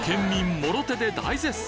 もろ手で大絶賛